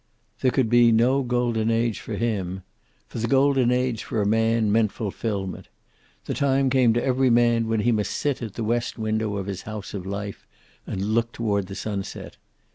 There could be no Golden Age for him. For the Golden Age for a man meant fulfillment. The time came to every man when he must sit at the west window of his house of life and look toward the sunset.